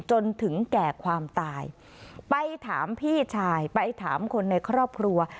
จนถึงแก่ความตายไปถามพี่ชายไปถามคนในครอบครัว